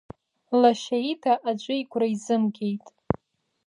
Лашьа ида аӡәы игәра изымгеит.